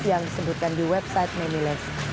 yang disebutkan di website memiles